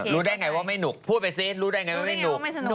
รู้ได้ไงว่าไม่หนุกพูดไปซิรู้ได้ไงว่าไม่หนุก